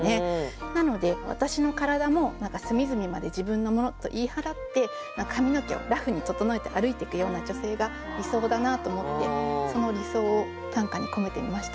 なので私のからだも何かすみずみまで自分のものと言い払って髪の毛をラフに整えて歩いてくような女性がいそうだなと思ってその理想を短歌に込めてみました。